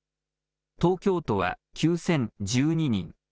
東京都は９０１２人。